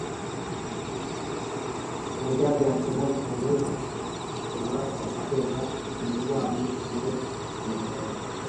Uburyaryate nabwo rero bushobora gutera umurwayi ubwe gufunga